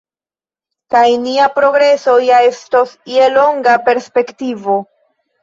Kaj nia progreso ja estos je longa perspektivo.